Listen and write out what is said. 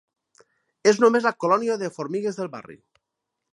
És només la colònia de formigues del barri.